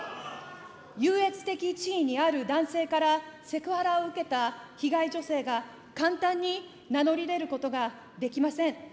優越的地位にある男性からセクハラを受けた被害女性が簡単に名乗り出ることができません。